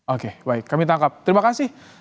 oke baik kami tangkap terima kasih